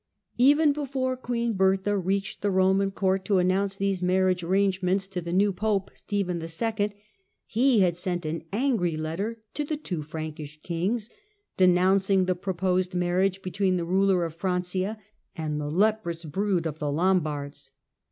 Even before Queen Bertha reached the Eoman Court d announce these marriage arrangements to the new 'ope, Stephen II., he had sent an angry letter to the wo Frankish kings, denouncing the proposed marriage etween the ruler of Francia and the " leprous brood " f the Lombards.